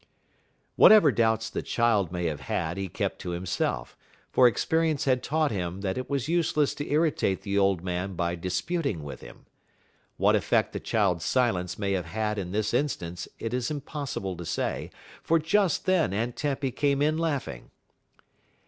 Whatever doubts the child may have had he kept to himself, for experience had taught him that it was useless to irritate the old man by disputing with him. What effect the child's silence may have had in this instance it is impossible to say, for just then Aunt Tempy came in laughing.